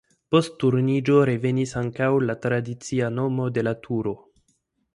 Post Turniĝo revenis ankaŭ la tradicia nomo de la turo.